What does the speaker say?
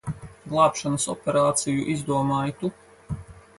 Glābšanas operāciju izdomāji tu.